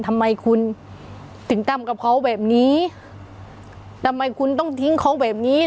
ทำไมคุณถึงทำกับเขาแบบนี้ทำไมคุณต้องทิ้งเขาแบบนี้